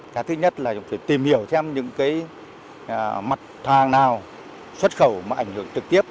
cái thứ nhất là tìm hiểu thêm những mặt hàng nào xuất khẩu mà ảnh hưởng trực tiếp